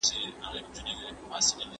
تاسو باید د خپل کلتور درناوی وکړئ.